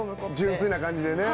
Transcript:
純粋な感じでね。